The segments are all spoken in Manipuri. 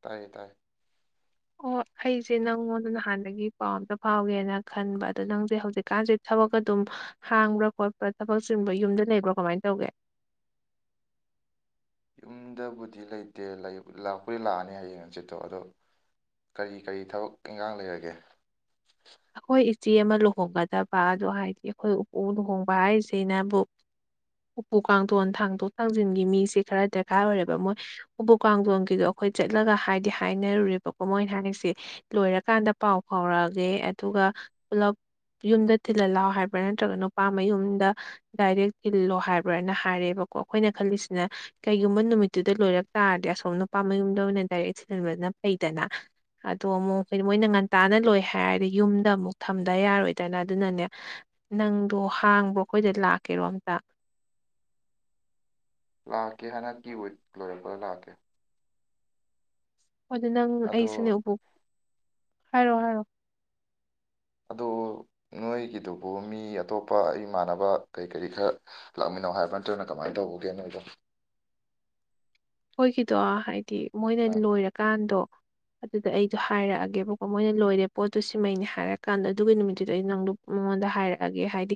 ꯇꯥꯏꯌꯦ ꯇꯥꯏꯌꯦ ꯑꯣ ꯑꯩꯁꯦ ꯅꯪꯉꯣꯟꯗ ꯅꯍꯥꯟꯗꯒꯤ ꯄꯥꯎ ꯑꯝꯇ ꯐꯥꯎꯒꯦꯅ ꯈꯟꯕ ꯑꯗꯣ ꯅꯪꯁꯦ ꯍꯧꯖꯤꯛꯀꯥꯟꯁꯦ ꯊꯕꯛ ꯑꯗꯨꯝ ꯍꯥꯡꯕ꯭ꯔꯥ ꯈꯣꯠꯄ꯭ꯔꯥ ꯊꯕꯛ ꯆꯤꯟꯕ ꯌꯨꯝꯗ ꯂꯩꯕ꯭ꯔꯥ ꯀꯃꯥꯏꯅ ꯇꯧꯒꯦ ꯌꯨꯝꯗꯕꯨꯗꯤ ꯂꯩꯇꯦ ꯂꯥꯛꯄꯨꯗꯤ ꯂꯥꯛꯑꯅꯤ ꯍꯌꯦꯡ ꯍꯪꯆꯤꯠꯇꯣ ꯑꯗꯣ ꯀꯔꯤ ꯀꯔꯤ ꯊꯕꯛ ꯏꯪꯒꯥꯡ ꯂꯩꯔꯒꯦ ꯑꯈꯣꯏ ꯏꯆꯦ ꯑꯃ ꯂꯨꯍꯣꯡꯒꯗꯕ ꯑꯗꯨ ꯍꯥꯏꯗꯤ ꯑꯩꯈꯣꯏ ꯎꯄꯨ ꯂꯨꯍꯣꯡꯕ ꯍꯥꯏꯁꯤꯅꯕꯨ ꯎꯄꯨ ꯀꯥꯡꯊꯣꯟ ꯊꯥꯡꯗꯣꯛ ꯊꯥꯡꯖꯤꯟꯒꯤ ꯃꯤꯁꯦ ꯈꯔ ꯗꯔꯀꯥꯔ ꯑꯣꯏꯔꯦꯕ ꯃꯣꯏ ꯎꯄꯨ ꯀꯥꯡꯗꯣꯟꯒꯤꯗꯣ ꯑꯈꯣꯏ ꯆꯠꯂꯒ ꯍꯥꯏꯗꯤ ꯍꯥꯏꯅꯔꯨꯔꯦꯕꯀꯣ ꯃꯣꯏꯅ ꯍꯥꯏꯁꯦ ꯂꯣꯏꯔꯀꯥꯟꯗ ꯄꯥꯎ ꯐꯥꯎꯔꯛꯑꯒꯦ ꯑꯗꯨꯒ ꯄꯨꯂꯞ ꯌꯨꯝꯗ ꯇꯤꯟꯍꯜꯂꯣ ꯍꯥꯏꯕ꯭ꯔꯥ ꯅꯠꯇ꯭ꯔꯒ ꯅꯨꯄꯥ ꯃꯌꯨꯝꯗ ꯗꯥꯏꯔꯦꯛ ꯊꯤꯜꯂꯣ ꯍꯥꯏꯕ꯭ꯔꯅ ꯍꯥꯏꯔꯦꯕꯀꯣ ꯑꯩꯈꯣꯏꯅ ꯈꯜꯂꯤꯁꯤꯅ ꯀꯩꯒꯨꯝꯕ ꯅꯨꯃꯤꯠꯇꯨꯗ ꯂꯣꯏꯔꯛ ꯇꯥꯔꯗꯤ ꯑꯁꯣꯝ ꯅꯨꯄꯥ ꯃꯌꯨꯝꯗ ꯑꯣꯏꯅ ꯗꯥꯏꯔꯦꯛ ꯊꯤꯜꯕꯅ ꯐꯩꯗꯅ ꯑꯗꯣ ꯑꯃꯨꯛ ꯍꯥꯢꯗꯤ ꯃꯣꯏꯅ ꯉꯟꯇꯥꯅ ꯂꯣꯏ ꯍꯥꯏꯔꯗꯤ ꯌꯨꯝꯗ ꯑꯃꯨꯛ ꯊꯝꯗ ꯌꯥꯔꯣꯏꯗꯅ ꯑꯗꯨꯅꯅꯦ ꯅꯪꯗꯣ ꯍꯥꯡꯕ꯭ꯔꯣ ꯑꯩꯈꯣꯏꯗ ꯂꯥꯛꯀꯦꯔꯣ ꯑꯝꯇ ꯂꯥꯛꯀꯦ ꯍꯟꯗꯛꯀꯤ ꯋꯤꯛ ꯂꯣꯏꯔꯛꯄꯗ ꯂꯥꯛꯀꯦ ꯍꯣꯏ ꯑꯗꯨ ꯅꯪ ꯑꯗꯣ ꯑꯩꯁꯨꯅꯦ ꯎꯄꯧ ꯍꯥꯏꯔꯣ ꯍꯥꯏꯔꯣ ꯑꯗꯣ ꯅꯣꯏꯒꯤꯗꯨꯕꯨ ꯃꯤ ꯑꯇꯣꯞꯄ ꯢꯃꯥꯟꯅꯕ ꯀꯔꯤ ꯀꯔꯤ ꯈꯔ ꯂꯥꯛꯃꯤꯅꯩ ꯍꯥꯏꯕ ꯇ꯭ꯔꯥꯅ ꯀꯃꯥꯏꯅ ꯇꯧꯕꯒꯦ ꯅꯣꯏꯗꯣ ꯑꯈꯣꯏꯒꯤꯗꯣ ꯍꯥꯏꯗꯤ ꯃꯣꯏꯅ ꯑ ꯂꯣꯏꯔꯀꯥꯟꯗꯣ ꯑꯗꯨꯗ ꯑꯩꯗꯣ ꯍꯥꯏꯔꯛꯑꯒꯦꯕꯀꯣ ꯃꯣꯏꯅ ꯂꯣꯏꯔꯦ ꯄꯣꯠꯇꯨ ꯁꯤꯃꯩꯅꯦ ꯍꯥꯏꯔꯀꯥꯟꯗ ꯑꯗꯨꯒꯤ ꯅꯨꯃꯤꯠꯇꯨꯗꯣ ꯑꯩ ꯅꯪꯗꯨ ꯃꯉꯣꯟꯗ ꯍꯥꯏꯔꯛꯑꯒꯦ ꯍꯥꯏꯗꯤ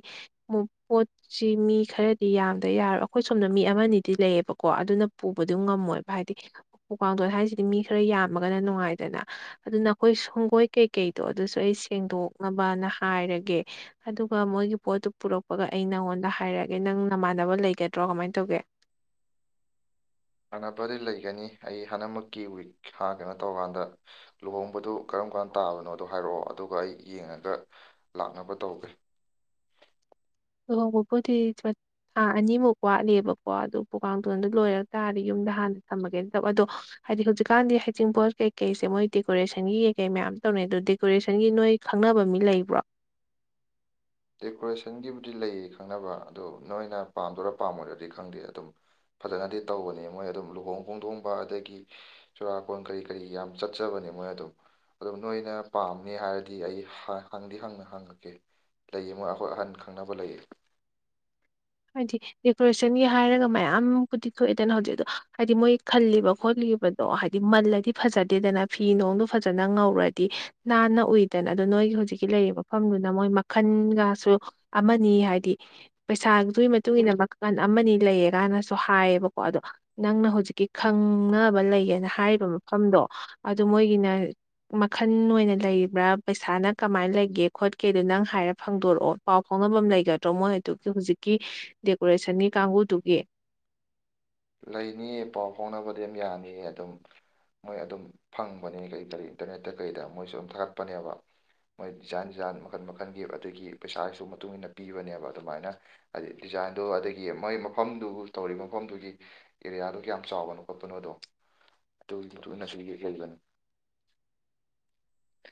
ꯃꯣ ꯄꯣꯠ ꯁꯤ ꯃꯤ ꯈꯔꯗꯤ ꯌꯥꯝꯗ ꯌꯥꯔꯣꯏ ꯑꯩꯈꯣꯏ ꯁꯣꯝꯗ ꯃꯤ ꯑꯃꯅꯤꯗꯤ ꯂꯩꯌꯦꯕꯀꯣ ꯑꯗꯨꯅ ꯄꯨ ꯕꯨꯗꯨ ꯉꯝꯃꯣꯏꯕ ꯍꯥꯏꯗꯤ ꯎꯄꯨꯀꯥꯡꯊꯣꯟ ꯍꯥꯏꯁꯤꯗꯤ ꯃꯤ ꯈꯔ ꯌꯥꯝꯃꯒꯅ ꯅꯨꯡꯉꯥꯏꯗꯅ ꯑꯗꯨ ꯅꯈꯣꯏ ꯁꯪꯒꯣꯏ ꯀꯩꯀꯩꯗꯣ ꯑꯗꯨꯁꯨ ꯑꯩ ꯁꯦꯡꯗꯣꯛꯅꯕꯅ ꯍꯥꯏꯔꯒꯦ ꯑꯗꯨꯒ ꯃꯣꯏꯒꯤ ꯄꯣꯠꯇꯨ ꯄꯨꯔꯛꯄꯒ ꯑꯩ ꯅꯪꯉꯣꯟꯗ ꯍꯥꯏꯔꯛꯑꯒꯦ ꯅꯪ ꯅꯃꯥꯟꯅꯕ ꯂꯩꯒꯗ꯭ꯔꯣ ꯀꯃꯥꯏꯅ ꯇꯧꯒꯦ ꯃꯥꯟꯅꯕꯗꯤ ꯂꯩꯒꯅꯤ ꯑꯩ ꯍꯥꯟꯅꯃꯛꯀꯤ ꯋꯤꯛ ꯊꯥ ꯀꯤꯅꯣ ꯇꯧꯀꯥꯟꯗ ꯂꯨꯍꯣꯡꯕꯗꯨ ꯀꯔꯝ ꯀꯥꯟ ꯇꯥꯕꯅꯣꯗꯣ ꯍꯥꯏꯔꯣ ꯑꯗꯨꯒ ꯑꯩ ꯌꯦꯡꯉꯒ ꯂꯥꯛꯅꯕ ꯇꯧꯒꯦ ꯂꯨꯍꯣꯡꯕꯕꯨꯗꯤ ꯇ꯭ꯋꯦꯟ ꯊꯥ ꯑꯅꯤꯃꯨꯛ ꯋꯥꯠꯂꯤꯕꯀꯣ ꯑꯗꯨ ꯎꯄꯨ ꯀꯥꯡꯗꯣꯟꯗꯨ ꯂꯣꯏꯔ ꯇꯥꯔꯗꯤ ꯌꯨꯝꯗ ꯍꯥꯟꯅ ꯊꯝꯃꯒꯦꯅ ꯇꯧꯕ ꯑꯗꯣ ꯍꯥꯏꯗꯤ ꯍꯧꯖꯤꯛꯀꯥꯟꯗꯤ ꯍꯩꯖꯤꯡꯄꯣꯠ ꯀꯩꯀꯩꯁꯦ ꯃꯣꯏ ꯗꯦꯀꯣꯔꯦꯁꯟꯒꯤ ꯀꯩ ꯀꯩ ꯃꯌꯥꯝ ꯇꯧꯅꯩ ꯑꯗꯣ ꯗꯦꯀꯣꯔꯦꯁꯟꯒꯤ ꯅꯣꯏ ꯈꯪꯅꯕ ꯃꯤ ꯂꯩꯕ꯭ꯔꯣ ꯗꯦꯀꯣꯔꯦꯁꯟꯒꯤꯕꯨꯗꯤ ꯂꯩꯌꯦ ꯈꯪꯅꯕ ꯑꯗꯣ ꯅꯣꯏꯅ ꯄꯥꯝꯗꯣꯏꯔ ꯄꯥꯝꯃꯣꯏꯗ꯭ꯔꯗꯤ ꯈꯪꯗꯦ ꯑꯗꯨꯝ ꯐꯖꯅꯗꯤ ꯇꯧꯕꯅꯦ ꯃꯣꯏ ꯑꯗꯨꯝ ꯂꯨꯍꯣꯡ ꯈꯣꯡꯗꯣꯡꯕ ꯑꯗꯒꯤ ꯆꯨꯔꯥꯀꯣꯟ ꯀꯔꯤ ꯀꯔꯤ ꯌꯥꯝ ꯆꯠꯆꯕꯅꯦ ꯃꯣꯏ ꯑꯗꯨꯝ ꯑꯗꯨꯝ ꯅꯣꯏꯅ ꯄꯥꯝꯃꯦ ꯍꯥꯏꯔꯗꯤ ꯑꯩ ꯍꯪꯗꯤ ꯍꯪꯅ ꯍꯪꯉꯛꯀꯦ ꯂꯩꯌꯦ ꯃꯣꯏ ꯑꯩꯈꯣꯏ ꯑꯍꯟ ꯈꯪꯅꯕ ꯂꯩꯌꯦ ꯍꯥꯏꯗꯤ ꯗꯦꯀꯣꯔꯦꯁꯟꯒꯤ ꯍꯥꯏꯔꯒ ꯃꯌꯥꯝ ꯀꯨꯗꯤ ꯊꯣꯛꯑꯦꯗꯅ ꯍꯧꯖꯤꯛꯛꯇꯣ ꯍꯥꯏꯗꯤ ꯃꯣꯏ ꯈꯜꯂꯤꯕ ꯈꯣꯠꯂꯤꯕ ꯍꯥꯏꯗꯤ ꯃꯜꯂꯗꯤ ꯐꯖꯗꯦꯗꯅ ꯐꯤ ꯅꯨꯡꯗꯨ ꯐꯖꯅ ꯉꯧꯔꯗꯤ ꯅꯥꯟꯅ ꯎꯏ ꯗꯦꯟ ꯑꯗꯨ ꯅꯣꯏꯒꯤ ꯍꯧꯖꯤꯛꯀꯤ ꯂꯩꯔꯤꯕ ꯃꯐꯝꯗꯨꯅ ꯃꯣꯏ ꯃꯈꯟꯒꯁꯨ ꯑꯃꯅꯤ ꯍꯥꯏꯗꯤ ꯄꯩꯁꯥꯗꯨꯒꯤ ꯃꯇꯨꯡ ꯏꯟꯅ ꯃꯈꯟ ꯑꯃꯅꯤ ꯂꯩꯌꯦ ꯀꯥꯏꯅꯁꯨ ꯍꯥꯏꯌꯦꯕꯀꯣ ꯑꯗꯣ ꯅꯪꯅ ꯍꯧꯖꯤꯛꯀꯤ ꯈꯪꯅꯕ ꯂꯩꯌꯦꯅ ꯍꯥꯏꯔꯤꯕ ꯃꯐꯝꯗꯣ ꯑꯗꯨ ꯃꯣꯏꯒꯤꯅ ꯃꯈꯟ ꯑꯣꯏꯅ ꯂꯩꯔꯤꯕ꯭ꯔꯥ ꯄꯩꯁꯥꯅ ꯀꯃꯥꯏꯅ ꯂꯩꯒꯦ ꯈꯣꯠꯀꯦꯗꯣ ꯅꯪ ꯍꯥꯏꯔ ꯈꯪꯗꯣꯔꯛꯑꯣ ꯄꯥꯎ ꯐꯥꯎꯅꯐꯝ ꯂꯩꯒꯗ꯭ꯔꯣ ꯃꯣꯏ ꯑꯗꯨꯒꯤ ꯍꯧꯨꯖꯤꯛꯀꯤ ꯗꯦꯀꯣꯔꯦꯁꯟꯒꯤ ꯀꯥꯡꯕꯨꯗꯨꯒꯤ꯫ ꯂꯩꯅꯤꯌꯦ ꯄꯥꯎ ꯐꯥꯎꯅꯕꯗꯤ ꯌꯥꯝ ꯌꯥꯅꯤꯌꯦ ꯑꯗꯨꯝ ꯃꯣꯏ ꯑꯗꯨꯝ ꯐꯪꯕꯅꯦ ꯀꯔꯤ ꯀꯔꯤ ꯏꯟꯇꯔꯅꯦꯠꯇ ꯀꯩꯗ ꯃꯣꯏꯁꯨ ꯑꯗꯨꯝ ꯊꯥꯒꯠꯄꯅꯦꯕ꯫ ꯃꯣꯏ ꯗꯤꯖꯥꯏꯟ ꯗꯤꯖꯥꯏꯟ ꯃꯈꯟ ꯃꯈꯜꯒꯤ ꯑꯗꯨꯒꯤ ꯄꯩꯁꯥꯒꯤꯁꯨ ꯃꯇꯨꯡ ꯏꯟꯅ ꯄꯤꯕꯅꯦꯕ ꯑꯗꯨꯃꯥꯏꯅ꯫ ꯍꯥꯏꯗꯤ ꯗꯤꯖꯥꯏꯟꯗꯣ ꯑꯗꯒꯤ ꯃꯣꯏ ꯃꯐꯝꯗꯨ ꯇꯧꯔꯤ ꯃꯐꯝꯗꯨꯒꯤ ꯑꯦꯔꯤꯌꯥꯗꯣ ꯀꯌꯥꯝ ꯆꯥꯎꯕꯅꯣ ꯈꯣꯠꯄꯅꯣꯗꯣ ꯑꯗꯨ ꯊꯨꯅꯁꯨ ꯌꯦꯡ [unintelligible]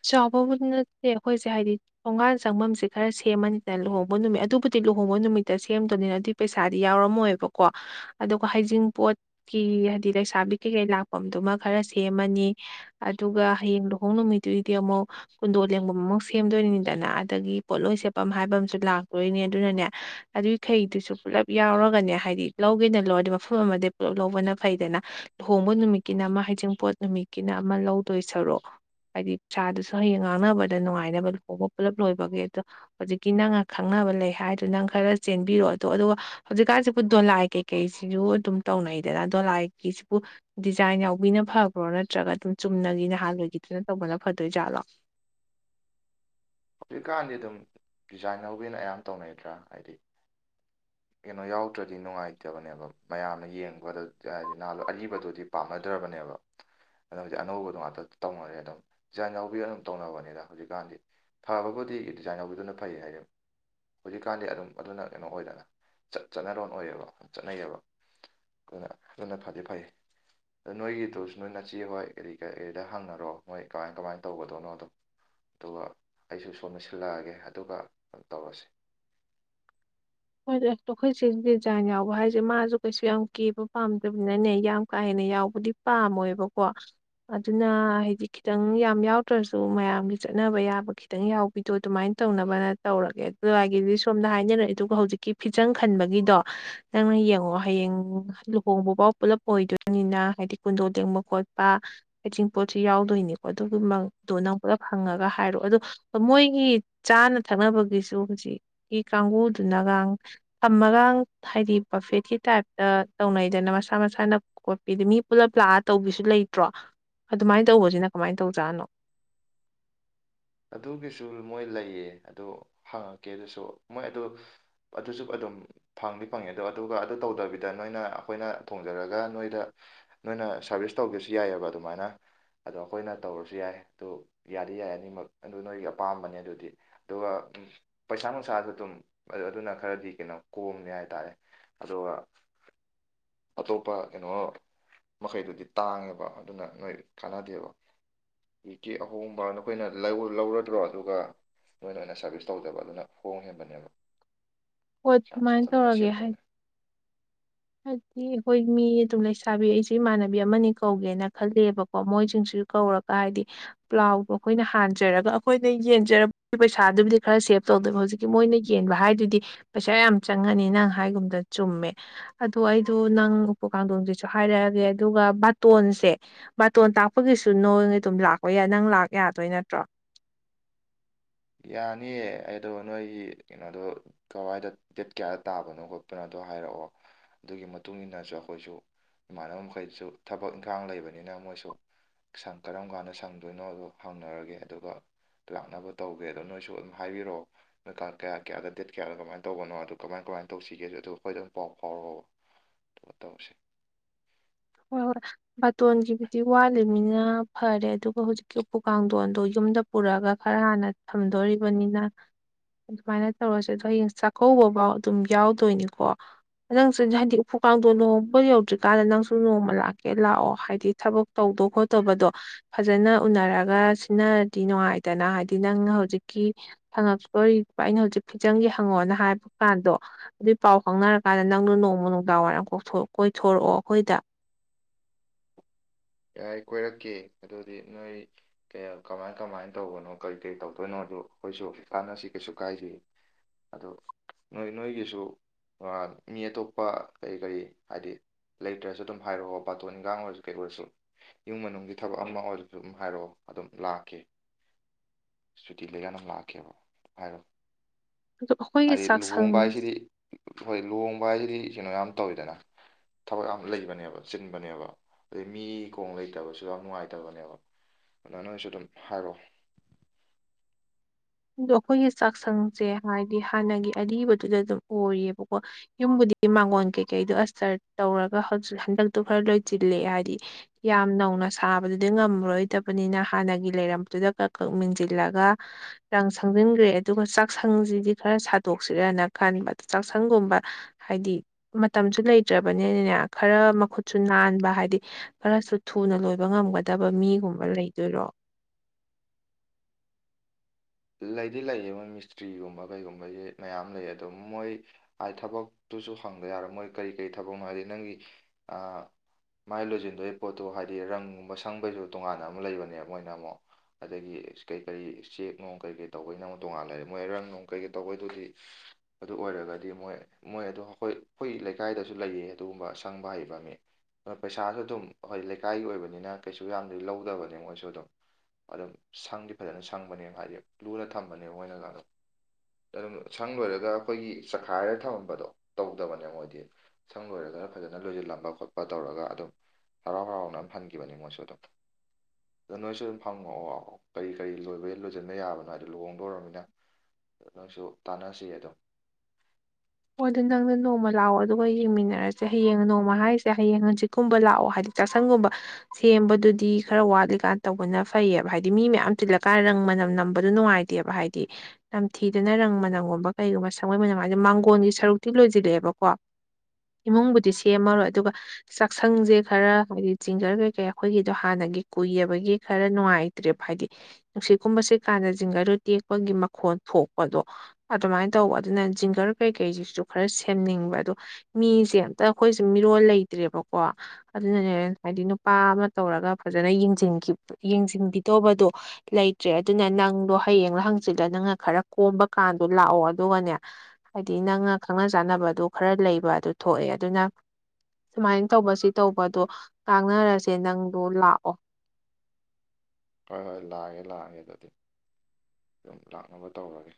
ꯆꯥꯎꯕꯕꯨ ꯅꯠꯇꯦ ꯑꯩꯈꯣꯏꯁꯦ ꯍꯥꯏꯗꯤ ꯊꯣꯡꯒꯥꯟ ꯆꯪꯐꯝꯁꯦ ꯈꯔ ꯁꯦꯝꯃꯅꯤꯅ ꯂꯨꯍꯣꯡꯕ ꯅꯨꯃꯤꯠ ꯑꯗꯨꯕꯨꯗꯤ ꯂꯨꯍꯣꯡꯕ ꯅꯨꯃꯤꯠꯇ ꯁꯦꯝꯗꯣꯏꯅꯤꯅ ꯑꯗꯨ ꯄꯩꯁꯥꯗꯤ ꯌꯥꯎꯔꯝꯃꯣꯏꯕꯀꯣꯥ꯫ ꯑꯗꯨꯒ ꯍꯩꯖꯤꯡ ꯄꯣꯠꯀꯤ ꯍꯥꯏꯗꯤ ꯂꯩꯁꯥꯕꯤ ꯀꯩꯀꯩ ꯂꯥꯛꯐꯝꯗꯨꯃ ꯈꯔ ꯁꯦꯝꯃꯅꯤ꯫ ꯑꯗꯨꯒ ꯍꯌꯦꯡ ꯂꯨꯍꯣꯡ ꯅꯨꯃꯤꯠꯇꯨꯒꯤꯗꯤ ꯑꯃꯨꯛ ꯀꯨꯟꯗꯣ ꯂꯦꯡꯕꯝ ꯑꯃꯨ ꯁꯦꯝꯗꯣꯏꯅꯤꯗꯅ ꯑꯗꯒꯤ ꯄꯣꯠꯂꯣꯏ ꯁꯦꯠꯄ ꯍꯥꯏꯕ ꯑꯃꯁꯨ ꯂꯥꯛꯇꯣꯏꯅꯤ ꯑꯗꯨꯅꯅꯦ ꯑꯗꯨꯏꯈꯩꯗꯨꯁꯨ ꯄꯨꯜꯂꯞ ꯌꯥꯎꯔꯒꯅꯦ ꯍꯥꯏꯗꯤ ꯂꯧꯒꯦꯅ ꯂꯧꯔꯗꯤ ꯃꯐꯝ ꯑꯃꯗꯒꯤ ꯄꯨꯂꯞ ꯂꯧꯕꯅ ꯐꯩꯗꯅ ꯂꯨꯍꯣꯡꯕ ꯅꯨꯃꯤꯠꯀꯤꯅ ꯑꯃ ꯍꯩꯖꯤꯡꯄꯣꯠ ꯅꯨꯃꯤꯠꯀꯤꯅ ꯑꯃ ꯂꯧꯗꯣꯏꯁꯔꯨꯛ ꯄꯩꯁꯥꯗꯨꯁꯨ ꯍꯌꯦꯡ ꯉꯥꯡꯅꯕꯗ ꯅꯨꯡꯉꯥꯏꯅꯕ ꯂꯍꯣꯡꯕ ꯄꯨꯜꯂꯞ ꯂꯣꯏꯕꯒ ꯍꯦꯛꯇ ꯍꯧꯖꯤꯛꯀꯤ ꯅꯪꯅ ꯈꯪꯅꯕ ꯂꯩ ꯍꯥꯏꯗꯨ ꯅꯪ ꯈꯔ ꯆꯦꯟꯕꯤꯔꯣꯑꯣ ꯑꯗꯣ ꯑꯗꯨꯒ ꯍꯧꯖꯤꯛꯀꯥꯟꯖꯦ ꯗꯣꯂꯥꯏ ꯀꯩꯀꯩꯁꯨ ꯑꯗꯨꯝ ꯇꯧꯅꯩꯗꯅ ꯗꯣꯂꯥꯏꯒꯤꯁꯤꯕꯨ ꯗꯤꯖꯥꯏꯟ ꯌꯥꯎꯕꯤꯅ ꯐꯕ꯭ꯔꯣ ꯅꯠꯇ꯭ꯔꯒ ꯑꯗꯨꯝ ꯆꯨꯝꯅꯒꯤ ꯅꯍꯥꯟꯋꯥꯏꯒꯤꯗꯨꯅ ꯇꯧꯕꯅ ꯐꯗꯣꯏ ꯖꯥꯠꯂꯣ꯫ ꯍꯧꯖꯤꯛꯀꯥꯟꯗꯤ ꯑꯗꯨꯝ ꯗꯤꯖꯥꯏꯟ ꯌꯧꯕꯤꯅ ꯑꯌꯥꯝ ꯇꯧꯅꯩꯗ꯭ꯔꯥ ꯍꯥꯏꯗꯤ꯫ ꯀꯩꯅꯣ ꯌꯥꯎꯗ꯭ꯔꯗꯤ ꯅꯨꯡꯉꯥꯏꯇꯕꯅꯦꯕ ꯃꯌꯥꯝꯅ ꯌꯦꯡꯕꯗꯗꯤ ꯅꯍꯥꯜꯣ ꯑꯔꯤꯕꯗꯨꯗꯤ ꯄꯥꯝꯅꯗ꯭ꯔꯕꯅꯦꯕ꯫ ꯑꯗꯨꯝꯗꯤ ꯑꯅꯧꯕꯗꯨꯣ ꯉꯥꯛꯇ ꯇꯧꯅꯔꯦ ꯑꯗꯨꯝ ꯗꯤꯖꯥꯏꯟ ꯌꯥꯎꯕꯤ ꯑꯣꯏꯅ ꯇꯧꯅꯕꯅꯦꯗ ꯍꯧꯖꯤꯛꯀꯥꯟꯗꯤ꯫ ꯐꯕꯕꯨꯗꯤ ꯗꯤꯖꯥꯏꯟ ꯌꯥꯎꯕꯗꯨꯅ ꯐꯩꯌꯦ ꯍꯥꯏꯌꯦ ꯍꯧꯖꯤꯛꯀꯥꯟꯗꯤ ꯑꯗꯨꯝ ꯑꯗꯨꯅ ꯀꯩꯅꯣ ꯑꯣꯏꯗꯅ ꯆꯠ ꯆꯠꯅꯔꯣꯟ ꯑꯣꯏꯌꯦꯕ ꯆꯠꯅꯩꯌꯦꯕ ꯑꯗꯨꯅ ꯑꯗꯨꯅ ꯐꯗꯤ ꯐꯩꯌꯦ꯫ ꯑꯗꯣ ꯅꯣꯏꯒꯤꯗꯨꯁꯨ ꯅꯣꯏ ꯅꯆꯦꯍꯣꯏ ꯀꯔꯤ ꯀꯔꯤꯗ ꯍꯪꯉꯔꯣ ꯅꯣꯏ ꯀꯃꯥꯏ ꯀꯃꯥꯏꯅ ꯇꯧꯒꯗꯣꯏꯅꯣꯗꯣ ꯑꯗꯨꯒ ꯑꯩꯁꯨ ꯁꯣꯝꯗ ꯁꯤꯜꯂꯛꯑꯒꯦ ꯑꯗꯨꯒ ꯇꯧꯔꯁꯦ꯫ ꯍꯣꯏꯗ ꯑꯩꯈꯣꯏ ꯆꯦꯁꯨ ꯗꯤꯖꯥꯏꯟ ꯌꯥꯎꯕ ꯍꯥꯏꯖꯦ ꯃꯥꯁꯨ ꯀꯩꯁꯨ ꯌꯥꯝ ꯀꯦꯕ ꯄꯥꯝꯗꯕꯅꯦ ꯌꯥꯝ ꯀꯥ ꯍꯦꯟꯅ ꯌꯥꯎꯕꯨꯗꯤ ꯄꯥꯝꯃꯣꯏꯕꯀꯣ꯫ ꯑꯗꯨꯅ ꯍꯥꯏꯗꯤ ꯈꯤꯇꯪ ꯌꯥꯝ ꯌꯥꯎꯗ꯭ꯔꯁꯨ ꯃꯌꯥꯝꯒꯤ ꯆꯠꯅꯕ ꯌꯥꯕꯈꯤ ꯈꯤꯇꯪ ꯌꯥꯎꯕꯤꯗꯣ ꯑꯗꯨꯃꯥꯏꯅ ꯇꯧꯅꯕꯅ ꯇꯧꯔꯒꯦ ꯑꯗꯨꯋꯥꯏꯒꯤꯗꯤ ꯁꯣꯝꯅ ꯍꯥꯏꯅꯔꯛꯏ ꯑꯗꯨꯒ ꯍꯧꯖꯤꯛ ꯀꯤ ꯐꯤꯖꯪ ꯈꯟꯕꯒꯤꯗꯣ꯫ ꯅꯪꯅ ꯌꯦꯡꯉꯣ ꯍꯌꯦꯡ ꯂꯨꯍꯣꯡꯕ ꯐꯥꯎ ꯄꯨꯜꯂꯞ ꯑꯣꯏꯗꯣꯏꯅꯤꯅ ꯍꯥꯏꯗꯤ ꯀꯨꯟꯗꯣ ꯂꯦꯡꯕ ꯈꯣꯠꯄ ꯍꯩꯖꯤꯡ ꯄꯣꯠꯁꯨ ꯌꯥꯎꯗꯣꯏꯅꯤꯀꯣ ꯑꯗꯨꯒꯤ ꯃꯉꯥꯛꯇꯣ ꯅꯪ ꯄꯨꯂꯞ ꯍꯪꯉꯒ ꯍꯥꯏꯔꯣ ꯑꯗꯣ ꯃꯣꯏꯒꯤ ꯆꯥꯅ ꯊꯛꯅꯕꯒꯤꯁꯨ ꯍꯧꯖꯤꯛꯀꯤ ꯀꯥꯡꯕꯨꯗꯨꯅꯒꯥꯡ ꯊꯝꯃꯒ ꯍꯥꯏꯗꯤ ꯄꯔꯐꯦꯠꯀꯤ ꯇꯥꯏꯞꯇ ꯇꯧꯅꯩꯗꯅ ꯃꯁꯥ ꯃꯁꯥꯅ ꯈꯣꯠꯄꯤꯗꯤ ꯃꯤ ꯄꯨꯜꯂꯞ ꯂꯥꯛꯑ ꯇꯧꯕꯤꯁꯨ ꯂꯩꯇ꯭ꯔꯣ ꯑꯗꯨꯃꯥꯏꯅ ꯇꯧꯕꯁꯤꯅ ꯀꯃꯥꯏꯅ ꯇꯧꯖꯥꯠꯅꯣ ꯑꯗꯨꯒꯤꯁꯨ ꯃꯣꯏ ꯂꯩꯌꯦ ꯑꯗꯨ ꯍꯪꯉꯛꯀꯦ ꯑꯗꯨꯁꯨ ꯃꯣꯏ ꯑꯗꯨ ꯑꯗꯨꯁꯨ ꯑꯗꯨꯝ ꯐꯪꯗꯤ ꯐꯪꯉꯦ ꯑꯗꯣ ꯑꯗꯨꯒ ꯑꯗꯨ ꯇꯧꯗꯕꯤꯗ ꯅꯣꯏꯅ ꯑꯩꯈꯣꯏꯅ ꯊꯣꯡꯖꯔꯒ ꯅꯣꯏꯗ ꯅꯣꯏꯅ ꯁꯥꯔꯚꯤꯁ ꯇꯧꯒꯦꯁꯨ ꯌꯥꯏꯑꯦꯕ ꯑꯗꯨꯃꯥꯏꯅ ꯑꯗꯣ ꯑꯩꯈꯣꯏꯅ ꯇꯧꯔꯁꯨ ꯌꯥꯏ ꯑꯗꯨ ꯌꯥꯗꯤ ꯌꯥꯏ ꯑꯅꯤꯃꯛ ꯑꯗꯨ ꯅꯣꯏꯒꯤ ꯑꯄꯥꯝꯕꯅꯦ ꯑꯗꯨꯗꯤ ꯑꯗꯨꯒ ꯄꯩꯁꯥ ꯅꯨꯡꯁꯥ ꯑꯗꯨ ꯗꯨꯝ ꯑꯗꯨꯅ ꯈꯔꯗꯤ ꯀꯩꯅꯣ ꯀꯣꯝꯃꯤ ꯍꯥꯏꯇꯥꯔꯦ ꯑꯗꯨꯒ ꯑꯇꯣꯞꯄ ꯀꯩꯅꯣ ꯃꯈꯩꯗꯨꯗꯤ ꯇꯥꯡꯉꯦꯕ ꯑꯗꯨꯅ ꯅꯣꯏ ꯀꯥꯟꯅꯗꯦꯕ ꯍꯧꯖꯤꯛ ꯀꯤ ꯑꯍꯣꯡꯕ ꯅꯈꯣꯏꯅ ꯂꯧꯔꯗ꯭ꯔꯣ ꯑꯗꯨꯒ ꯅꯣꯏ ꯑꯣꯏꯅ ꯁꯥꯔꯚꯤꯁ ꯇꯧꯗꯣꯏꯕ ꯑꯗꯨꯅ ꯍꯣꯡ ꯍꯦꯟꯕꯅꯦꯕ ꯍꯣꯏ ꯄꯩꯁꯥꯁꯨ ꯑꯗꯨꯃꯥꯏꯅ ꯑꯗꯨꯅ ꯁꯦꯞ ꯇꯧꯅꯤ ꯍꯥꯏꯕꯗꯤ ꯍꯣꯏ ꯃꯤ ꯑꯗꯨꯝ ꯂꯩꯁꯥꯕꯤ ꯑꯩꯁꯦ ꯏꯃꯥꯟꯅꯕꯤ ꯑꯃꯅꯤ ꯀꯧꯒꯦꯅ ꯈꯜꯂꯦꯕꯀꯣ ꯃꯣꯏꯁꯤꯡꯁꯤꯁꯨ ꯀꯧꯔꯒ ꯀꯥꯏꯗꯤ ꯄ꯭ꯂꯥꯎꯗꯣ ꯑꯩꯈꯣꯏꯅ ꯍꯥꯟꯖꯔꯒ ꯑꯩꯈꯣꯏꯅ ꯌꯦꯡꯖꯔꯔꯕꯒꯤ ꯄꯩꯁꯥꯗꯨꯝꯗꯤ ꯈꯔ ꯁꯦꯞ ꯇꯧꯗꯣꯏꯕ ꯍꯧꯖꯤꯛ ꯃꯣꯏꯅ ꯌꯦꯟꯕ ꯍꯥꯏꯗꯨꯗꯤ ꯄꯩꯁꯥ ꯌꯥꯝ ꯆꯪꯉꯅꯤ ꯅꯪ ꯍꯥꯏꯒꯨꯝꯗꯅ ꯆꯨꯝꯃꯦ ꯑꯗꯣ ꯑꯩꯗꯣ ꯅꯪ ꯎꯄꯨ ꯀꯥꯡꯗꯣꯟꯁꯤꯁꯨ ꯍꯥꯏꯔꯛꯑꯒꯦ ꯑꯗꯨꯒ ꯕꯥꯇꯣꯟꯁꯦ ꯃꯇꯣꯟ ꯇꯥꯛꯄꯒꯤꯁꯨ ꯅꯣꯏꯉꯩ ꯑꯗꯨꯝ ꯂꯥꯛꯄ ꯌꯥꯏ ꯅꯪ ꯂꯥꯛ ꯌꯥꯗꯣꯏ ꯅꯠꯇ꯭ꯔꯣ ꯌꯥꯅꯤꯌꯦ ꯑꯩꯗꯣ ꯅꯣꯏꯒꯤ ꯀꯩꯅꯣꯗꯣ ꯀꯋꯥꯏꯗ ꯗꯦꯠ ꯀꯌꯥꯗ ꯇꯥꯕꯅꯣ ꯈꯣꯠꯄꯅꯣꯗꯣ ꯍꯥꯏꯔꯛꯑꯣ ꯑꯗꯨꯒꯤ ꯃꯇꯨꯡ ꯏꯟꯅꯁꯨ ꯑꯩꯈꯣꯏꯁꯨ ꯏꯃꯥꯟꯅꯕ ꯃꯈꯩꯗꯁꯨ ꯊꯕꯛ ꯏꯪꯈꯥꯡ ꯂꯩꯕꯅꯤꯅ ꯃꯣꯏꯁꯨ ꯁꯪ ꯀꯔꯝ ꯀꯥꯟꯗ ꯁꯪꯗꯣꯏꯅꯣꯗ ꯍꯪꯅꯔꯒꯦ ꯑꯗꯨꯒ ꯂꯥꯛꯅꯕ ꯇꯧꯒꯦ ꯑꯗꯣ ꯅꯣꯏꯁꯨ ꯑꯗꯨꯝ ꯍꯥꯏꯕꯤꯔꯛꯑꯣ ꯅꯀꯥ ꯀꯌꯥ ꯀꯌꯥꯗ ꯗꯦꯠ ꯀꯌꯥꯗ ꯀꯃꯥꯏꯅ ꯇꯧꯕꯅꯣ ꯑꯗꯨꯣ ꯀꯃꯥꯏ ꯀꯃꯥꯏꯅ ꯇꯧꯁꯤꯒꯦꯁꯨ ꯑꯗꯨ ꯑꯩꯈꯣꯏꯗ ꯄꯥꯎ ꯐꯥꯎꯔꯛꯑꯣꯕ [unintelligible] ꯍꯣꯏ ꯍꯣꯏ ꯕꯥꯇꯣꯟꯒꯤꯕꯨꯗꯤ ꯋꯥꯠꯂꯤꯃꯤꯅ ꯐꯔꯦ ꯑꯗꯨꯒ ꯍꯧꯖꯤꯛꯀꯤ ꯎꯄꯨ ꯀꯥꯡꯊꯣꯟꯗꯣ ꯌꯨꯝꯗ ꯄꯨꯔꯛꯑꯒ ꯈꯔ ꯍꯥꯟꯅ ꯊꯝꯗꯣꯔꯤꯕꯅꯤꯅ ꯑꯗꯨꯃꯥꯏꯅ ꯇꯧꯔꯁꯦ ꯑꯗꯣ ꯍꯌꯦꯡ ꯆꯥꯛꯀꯧꯕꯐꯥꯎ ꯑꯗꯨꯝ ꯌꯥꯎꯗꯣꯏꯅꯤꯀꯣ ꯅꯪꯁꯨ ꯍꯥꯏꯗꯤ ꯎꯐꯨ ꯀꯥꯡꯗꯣꯠ ꯅꯣꯕ ꯌꯧꯗ꯭ꯔꯤꯀꯥꯟꯗ ꯅꯪꯁꯨ ꯨ ꯅꯣꯡꯃ ꯂꯥꯛꯀꯦ ꯂꯥꯛꯑꯣ ꯍꯥꯏꯗꯤ ꯊꯕꯛ ꯇꯧꯗꯧ ꯈꯣꯠꯇꯧꯕꯗꯣ ꯐꯖꯅ ꯎꯅꯔꯒ ꯁꯤꯟꯅꯔꯗꯤ ꯅꯨꯡꯉꯥꯏꯗꯅ ꯍꯥꯏꯗꯤ ꯅꯪꯅ ꯍꯧꯖꯤꯛꯀꯤ ꯍꯪꯉꯛꯇꯣ ꯑꯩꯅ ꯍꯧꯖꯤꯛ ꯐꯤꯖꯪꯒꯤ ꯍꯪꯉꯛꯑꯣꯅ ꯍꯥꯏꯕ ꯀꯥꯟꯗꯣ ꯑꯗꯨꯏ ꯄꯥꯎ ꯈꯪꯅꯔꯀꯥꯟꯗ ꯅꯪꯅ ꯅꯣꯡꯃ ꯅꯨꯡꯗꯥꯡ ꯋꯥꯏꯔꯝ ꯀꯣꯏꯊꯣꯔꯛꯑꯣ ꯑꯩꯈꯣꯏꯗ ꯌꯥꯥꯏ ꯀꯣꯏꯔꯛꯀꯦ ꯑꯗꯨꯗꯤ ꯅꯣꯏ ꯀꯌꯥ ꯀꯃꯥꯏ ꯀꯃꯥꯏꯅ ꯇꯧꯕꯅꯣ ꯀꯔꯤ ꯀꯔꯤ ꯇꯧꯗꯣꯏꯅꯣ ꯑꯗꯨ ꯑꯩꯈꯣꯏꯁꯨ ꯇꯥꯟꯅꯁꯤ ꯀꯩꯁꯨ ꯀꯥꯏꯗꯦ ꯑꯗꯨ ꯅꯣꯏ ꯅꯣꯏꯒꯤꯁꯨ ꯃꯤ ꯑꯇꯣꯞꯄ ꯀꯔꯤ ꯀꯔꯤ ꯍꯥꯏꯗꯤ ꯂꯩꯇ꯭ꯔꯁꯨ ꯑꯗꯨꯝ ꯍꯥꯏꯔꯣꯑꯣ ꯕꯥꯇꯣꯟ ꯏꯟꯒꯥꯡ ꯑꯣꯏꯔꯁꯨ ꯀꯩ ꯑꯣꯏꯔꯁꯨ ꯏꯃꯨꯡ ꯃꯅꯨꯡꯒꯤ ꯊꯕꯛ ꯑꯃ ꯑꯣꯏꯔꯁꯨ ꯑꯗꯨꯝ ꯍꯥꯏꯔꯛꯑꯣ ꯑꯗꯨꯝ ꯂꯥꯛꯀꯦ ꯁꯨꯇꯤ ꯂꯩꯀꯥꯟꯗ ꯃꯨꯛꯂꯥꯛꯀꯦꯕ ꯍꯥꯏꯔꯣ ꯑꯗꯣ ꯑꯩꯈꯣꯏꯒꯤ ꯍꯥꯏꯗꯤ ꯆꯥꯛꯁꯪ ꯂꯨꯍꯣꯡꯕ ꯍꯥꯏꯁꯤꯗꯤ ꯍꯣꯏ ꯂꯨꯍꯣꯡꯕ ꯍꯥꯏꯁꯤꯗꯤ ꯀꯩꯅꯣ ꯌꯥꯝ ꯇꯧꯋꯤꯗꯅ ꯊꯕꯛ ꯌꯥꯝ ꯂꯩꯕꯅꯦꯕ ꯆꯤꯟꯕꯅꯦꯕ ꯑꯗꯩ ꯃꯤ ꯍꯤꯡꯒꯣꯡ ꯂꯩꯇꯕꯁꯨ ꯌꯥꯝ ꯅꯨꯡꯉꯥꯏꯇꯕꯅꯦꯕ ꯑꯗꯨꯅ ꯅꯣꯏꯁꯨ ꯑꯗꯨꯝ ꯍꯥꯏꯔꯛꯑꯣ ꯑꯗꯣ ꯑꯩꯈꯣꯏꯒꯤ ꯆꯥꯛꯁꯪꯁꯦ ꯍꯥꯏꯗꯤ ꯍꯥꯟꯅꯒꯤ ꯑꯔꯤꯕꯗꯨꯗ ꯑꯗꯨꯝ ꯑꯣꯏꯔꯤꯌꯦꯕꯀꯣ ꯌꯨꯝꯕꯨꯗꯤ ꯃꯥꯡꯒꯣꯟ ꯀꯩꯀꯩꯗꯣ ꯑꯁꯇꯔ ꯇꯧꯔꯒ ꯍꯧꯖꯤꯛ ꯍꯟꯗꯛꯇꯣ ꯈꯔ ꯂꯣꯏꯁꯤꯜꯂꯛꯑꯦ ꯍꯥꯏꯗꯤ ꯌꯥꯝ ꯅꯧꯅ ꯁꯥꯕꯗꯨꯗꯤ ꯉꯝꯃꯔꯣꯏꯗꯕꯅꯤꯅ ꯍꯥꯟꯅꯒꯤ ꯂꯩꯔꯝꯕꯗꯨꯗ ꯈꯛ ꯈꯛ ꯃꯟꯁꯤꯜꯂꯒ ꯔꯥꯡ ꯁꯪꯖꯟꯈ꯭ꯔꯦ ꯑꯗꯨꯒ ꯆꯥꯛꯁꯪꯁꯤꯗꯤ ꯈꯔ ꯁꯥꯗꯣꯛꯁꯤꯔꯅ ꯈꯟꯕ ꯑꯗꫭ ꯆꯥꯛꯁꯪꯒꯨꯝꯕ ꯍꯥꯏꯗꯤ ꯃꯇꯝꯁꯨ ꯂꯩꯇ꯭ꯔꯥꯕꯅꯤꯅꯅꯦ ꯈꯔ ꯃꯈꯨꯠꯁꯨ ꯅꯥꯟꯕ ꯍꯥꯏꯗꯤ ꯈꯔꯁꯨ ꯊꯨꯅ ꯂꯣꯏꯕ ꯉꯝꯒꯗꯕ ꯃꯤꯒꯨꯝꯕ ꯂꯩꯗꯣꯏꯔꯣ ꯂꯩꯗꯤ ꯂꯩꯌꯦ ꯃꯣꯏ ꯃꯤꯁꯇ꯭ꯔꯤꯒꯨꯝꯕ ꯀꯩꯒꯨꯝꯕꯁꯦ ꯃꯌꯥꯝ ꯂꯩꯌꯦ ꯑꯗꯨꯝ ꯃꯣꯏ ꯍꯥꯏ ꯊꯕꯛꯇꯨꯁꯨ ꯍꯪꯗ ꯌꯥꯔꫭꯏ ꯃꯣꯏ ꯀꯔꯤ ꯀꯔꯤ ꯊꯕꯛꯅꯣ ꯍꯥꯏꯗꯤ ꯅꯪꯒꯤ ꯑꯥ ꯃꯥꯏ ꯂꯣꯏꯁꯤꯟꯗꯣꯏ ꯄꯣꯠꯇꯨ ꯍꯥꯏꯗꯤ ꯔꯪꯒꯨꯝꯕ ꯁꯪꯕꯩꯁꯨ ꯇꯣꯉꯥꯟꯅ ꯑꯃ ꯂꯩꯕꯅꯦꯕ ꯃꯣꯏꯅ ꯑꯃꯨꯛ ꯑꯗꯥꯒꯤ ꯏꯁ ꯀꯔꯤ ꯀꯔꯤ ꯆꯦꯛ ꯅꯨꯡ ꯀꯩꯀꯩ ꯇꯧꯕꯩꯅꯣ ꯑꯃꯨꯛ ꯇꯣꯉꯥꯟꯅ ꯂꯩꯔꯦ ꯃꯣꯏ ꯔꯪ ꯅꯨꯡ ꯀꯩꯀꯩ ꯇꯧꯕꯩꯗꯨꯗꯤ ꯑꯗꯨ ꯑꯣꯏꯔꯒꯗꯤ ꯃꯣꯏ ꯃꯣꯏ ꯑꯗꯨ ꯑꯩꯈꯣꯏ ꯑꯩꯈꯣꯏ ꯂꯩꯀꯥꯏꯗꯁꯨ ꯂꯩꯌꯦ ꯑꯗꯨꯒꯨꯝꯕ ꯁꯪꯕ ꯍꯩꯕ ꯃꯤ ꯑ ꯄꯩꯁꯥꯁꯨ ꯑꯗꯨꯝ ꯑꯩꯈꫭꯏ ꯂꯩꯀꯥꯏꯒꯤ ꯑꯣꯏꯕꯅꯤꯅ ꯀꯩꯁꯨ ꯌꯥꯝꯅ ꯂꯧꯗꯕꯅꯦ ꯃꯣꯏꯁꯨ ꯑꯗꯨꯝ ꯑꯗꯨꯝ ꯁꯪꯗꯤ ꯐꯖꯅ ꯁꯪꯕꯅꯦ ꯍꯥꯏꯗꯤ ꯂꯨꯅ ꯊꯝꯕꯅꯦ ꯃꯣꯏꯅ ꯀꯥꯗꯣ ꯑꯗꯨꯝ ꯁꯪ ꯂꯣꯏꯔꯒ ꯑꯩꯈꯣꯏꯒꯤ ꯆꯈꯥꯏꯔ ꯊꯝꯃꯝꯕꯗꯣ ꯇꯧꯗꯕꯅꯦ ꯃꯣꯏꯗꯤ ꯁꯪ ꯂꯣꯏꯔꯒ ꯐꯖꯅ ꯂꯣꯏꯁꯤꯜꯂꯝꯕ ꯈꯣꯠꯄ ꯇꯧꯔꯒ ꯑꯗꯨꯝ ꯍꯔꯥꯎ ꯍꯔꯥꯎꯅ ꯑꯝ ꯍꯟꯈꯤꯕꯅꯤ ꯃꯣꯏꯁꯨ ꯑꯗꯨꯝ ꯑꯗꯨ ꯅꯣꯏꯁꯨ ꯑꯗꯨꯝ ꯐꯪꯉꯛꯑꯣ ꯀꯔꯤ ꯀꯔꯤ ꯂꯣꯏꯕ ꯂꯣꯏꯁꯤꯟꯕ ꯌꯥꯕ ꯗꯥꯏꯗꫭ ꯂꯨꯍꯣꯡꯗꫭꯔꯕꯅꯤꯅ ꯅꯣꯏꯁꯨ ꯇꯥꯟꯅꯁꯤ ꯑꯗꯨꯝ ꯍꯣꯏ ꯑꯗꯨ ꯅꯪꯅ ꯅꯣꯡꯃ ꯂꯥꯛꯑꯣ ꯑꯗꯨꯒ ꯌꯦꯡꯃꯤꯟꯅꯔꯁꯦ ꯍꯌꯦꯡ ꯅꯣꯡꯃ ꯍꯥꯏꯔꯤꯁꯦ ꯍꯌꯦꯡ ꯍꯥꯡꯆꯤꯠ ꯒꯨꯝꯕ ꯂꯥꯛꯑꯣ ꯍꯥꯏꯗꯤ ꯆꯥꯁꯪꯒꯨꯝꯕ ꯁꯦꯝꯕꯗꯨꯗꯤ ꯈꯔ ꯋꯥꯠꯂꯤꯀꯥꯟ ꯇꯧꯕꯅ ꯐꯩꯌꯦꯕ ꯍꯥꯏꯗꯤ ꯃꯤ ꯃꯌꯥꯝ ꯇꯤꯜꯂꯀꯥꯟ ꯔꯪ ꯃꯅꯝ ꯅꯝꯕꯗꯨ ꯅꯨꯡꯉꯥꯏ ꯇꯥꯞ ꯍꯥꯏꯗꯤ ꯅꯝꯊꯤꯗꯅ ꯔꯪ ꯃꯅꯝꯒꯨꯝꯕ ꯀꯩꯒꯨꯝꯕ ꯁꯪꯒꯣꯏ ꯃꯅꯝ ꯍꯥꯏꯁꯦ ꯃꯥꯡꯒꫭꯟ ꯒꫭꯟꯒꯤ ꯁꯔꯨꯛꯇꯤ ꯂꯣꯏꯁꯤꯜꯂꯛꯑꯦꯕꯀꯣ ꯏꯃꯨꯡꯕꯨꯗꯤ ꯁꯦꯝꯃꯔꯣꯏ ꯑꯗꯨꯒ ꯆꯥꯛꯁꯪꯁꯦ ꯈꯔ ꯍꯥꯏꯗꯤ ꯆꯤꯡꯖ꯭ꯔ ꯀꯩ ꯀꯩ ꯑꯩꯈꯣꯏꯒꯤꯗꯣ ꯍꯥꯟꯅꯒꯤ ꯀꯨꯏꯔꯕꯒꯤ ꯈꯔ ꯅꯨꯡꯉꯥꯏ ꯇ꯭ꯔꯥꯞ ꯍꯥꯏꯗꯤ ꯅꯨꯡꯁꯤꯠꯀꯨꯝꯕ ꯁꯤꯠ ꯀꯥꯟꯗ ꯖꯒꯔꯨ ꯇꯦꯛꯄꯒꯤ ꯃꯈꯣꯟ ꯊꯣꯛꯄꯗꯣ ꯑꯗꯨꯃꯥꯏ ꯇꯧꯕ ꯑꯗꯨꯅ ꯖꯤꯡꯒꯔ ꯀꯩꯀꯩꯁꯤꯁꯨ ꯈꯔ ꯁꯦꯝꯅꯤꯡꯕ ꯑꯗꯣ ꯃꯤꯁꯦ ꯑꯝꯇ ꯑꯩꯈꯣꯏꯁꯦ ꯃꯤꯔꯣꯜ ꯂꯩꯇ꯭ꯔꯦꯕꯀꯣ ꯑꯗꯨꯅꯅꯦ ꯍꯥꯏꯗꯤ ꯅꯨꯄꯥ ꯑꯃ ꯇꯧꯔꯒ ꯐꯖꯅ ꯌꯦꯡꯁꯤꯟꯈꯤꯕ ꯌꯦꯡꯁꯤꯟꯕꯤꯗꯧꯕꯗꯣ ꯂꯩꯇ꯭ꯔꯦ ꯑꯗꯨꯅ ꯅꯪꯗꯣ ꯍꯌꯦꯡ ꯂꯥ ꯍꯥꯡꯆꯤꯠ ꯂꯥ ꯅꯪꯅ ꯈꯔ ꯀꯣꯝꯕ ꯀꯥꯟꯗꯣ ꯂꯥꯛꯑꯣ ꯑꯗꯨꯒꯅꯦ ꯍꯥꯏꯗꯤ ꯅꯪꯅ ꯈꯪꯅ ꯆꯥꯅꯕꯗꯨ ꯈꯔ ꯂꯩꯕ ꯑꯗꯨ ꯊꯣꯛꯑꯦ ꯑꯗꯨꯅ ꯁꯨꯃꯥꯏ ꯇꯧꯕ ꯁꯤ ꯇꯧꯕꯗꯣ ꯉꯥꯡꯅꯔꯁꯦ ꯅꯪꯗꯣ ꯂꯥꯛꯑꯣ ꯍꯣꯏ ꯍꯣꯏ ꯂꯥꯛꯑꯒꯦ ꯂꯥꯛꯑꯒꯦ ꯑꯗꯨꯗꯤ ꯑꯗꯨꯝ ꯂꯥꯛꯅꯕ ꯇꯧꯔꯒꯦ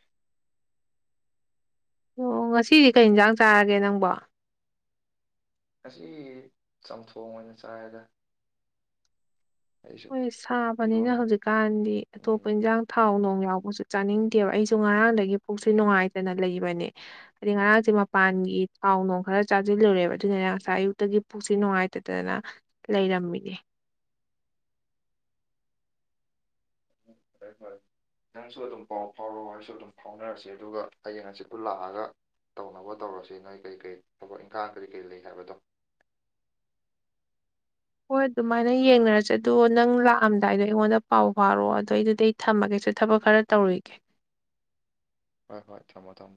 ꯑꯣ ꯉꯁꯤꯗꯤ ꯀꯩ ꯌꯦꯟꯖꯥꯡ ꯆꯥꯔꯒꯦ ꯅꯪꯕꯣ ꯉꯁꯤ ꯆꯝꯊꯣꯡ ꯑꯣꯏꯅ ꯆꯥꯏꯗ ꯑꯩꯁꯨ ꯍꯣꯏ ꯁꯥꯕꯅꯤꯅ ꯏꯔꯣꯟꯕ ꯍꯧꯖꯤꯛꯀꯥꯟꯗꯤ ꯑꯇꯣꯞꯄ ꯎꯝ ꯏꯟꯁꯥꯡ ꯊꯥꯎ ꯎꯝ ꯅꯨꯡ ꯌꯥꯎꯕꯁꯨ ꯆꯥꯅꯤꯡꯗꯦꯕ ꯑꯩꯁꯨ ꯉꯔꯥꯡꯗꯒꯤ ꯄꯨꯛꯁꯦ ꯅꯨꯡꯉꯥꯏꯇꯅ ꯂꯩꯕꯅꯦ꯫ ꯍꯥꯏꯗꯤ ꯉꯔꯥꯡꯁꯦ ꯃꯄꯥꯟꯒꯤ ꯊꯥꯎ ꯅꯨꯡ ꯈꯔ ꯆꯥꯁꯤꯜꯂꯨꯔꯦꯕ ꯑꯗꯨꯅꯅꯦ ꯉꯁꯥꯏ ꯑꯌꯨꯛꯇꯒꯤ ꯄꯨꯛꯁꯤ ꯅꯨꯡꯉꯥꯏꯇꯗꯗꯅ ꯂꯩꯔꯝꯃꯤꯅꯤ ꯎꯝ ꯐꯔꯦ ꯐꯔꯦ ꯅꯪꯁꯨ ꯑꯗꯨꯝ ꯄꯥꯎ ꯐꯥꯎꯔꯣ ꯑꯩꯁꯨ ꯑꯗꯨꯝ ꯐꯥꯎꯅꯔꯁꯤ ꯑꯗꯨꯒ ꯍꯌꯦꯡ ꯍꯥꯡꯆꯤꯠꯇꯨ ꯂꯥꯛꯑꯒ ꯇꯧꯅꯕ ꯇꯧꯔꯁꯤ ꯅꯣꯏ ꯀꯔꯤ ꯀꯔꯤ ꯊꯕꯛ ꯏꯪꯈꯥꯡ ꯀꯔꯤ ꯀꯔꯤ ꯂꯩ ꯍꯥꯏꯕꯗꯣ ꯍꯣꯏ ꯑꯗꯨꯃꯥꯏꯅ ꯌꯦꯡꯅꯔꯁꯦ ꯑꯗꯣ ꯅꯪ ꯂꯥꯛꯑꯝꯗꯥꯏꯗꯣ ꯑꯩꯉꯣꯟꯗ ꯄꯥꯎ ꯐꯥꯎꯔꯛꯑꯣ ꯑꯗꯨꯏꯗꯨꯗꯤ ꯊꯝꯃꯒꯦꯁꯦ ꯊꯕꯛ ꯈꯔ ꯇꯧꯔꯨꯔꯤꯒꯦ ꯍꯣꯏ ꯍꯣꯏ ꯊꯝꯃꯣ ꯊꯝꯃꯣ